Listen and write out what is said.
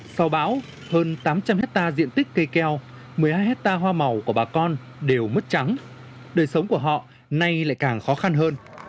sau bão hơn tám trăm linh hectare diện tích cây keo một mươi hai hectare hoa màu của bà con đều mất trắng đời sống của họ nay lại càng khó khăn hơn